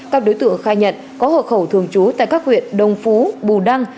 các đối tượng khai nhận có hộ khẩu thường trú tại các huyện đông phú bù đăng